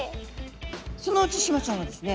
そのうちシマちゃんはですね